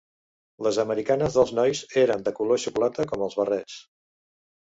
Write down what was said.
Les americanes dels nois eren de color xocolata, com els barrets.